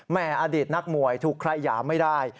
แม่อดีตนักมวยถูกไข่ยาไม่ได้